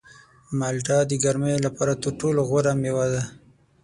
مالټه د ګرمۍ لپاره تر ټولو غوره مېوه ده.